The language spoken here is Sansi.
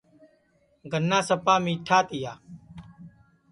گنا سپا میٹھا تیا